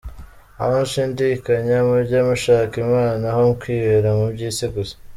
Aho gushidikanya, mujye mushaka imana, aho kwibera mu byisi gusa.